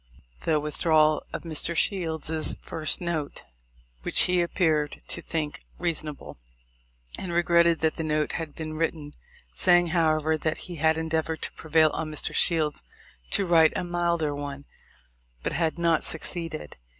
the withdrawal of Mr. Shields's first note, which he appeared to think reasonable, and regretted that the note had been written, saying however, that he had endeavored to prevail on Mr. Shields to write a milder one, but had not suc ceeded.